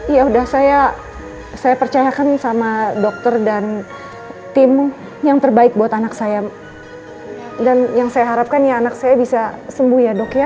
ya udah saya percayakan sama dokter dan tim yang terbaik buat anak saya dan yang saya harapkan ya anak saya bisa sembuh ya dok ya